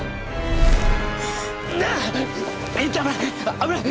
危ない！